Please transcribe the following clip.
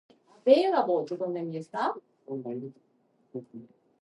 Konrad Hallgren, a former German officer, became the leader of the party.